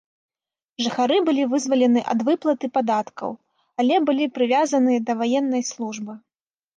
Жыхары былі вызвалены ад выплаты падаткаў, але былі прывязаны да ваеннай службы.